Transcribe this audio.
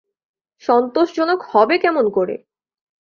সন্তোষজনক হবে কেমন করে।